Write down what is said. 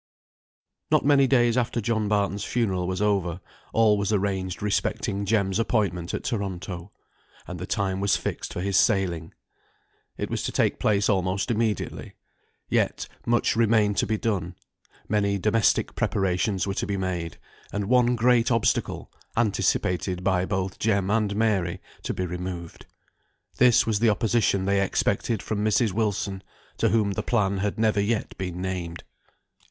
Not many days after John Barton's funeral was over, all was arranged respecting Jem's appointment at Toronto; and the time was fixed for his sailing. It was to take place almost immediately: yet much remained to be done; many domestic preparations were to be made; and one great obstacle, anticipated by both Jem and Mary, to be removed. This was the opposition they expected from Mrs. Wilson, to whom the plan had never yet been named.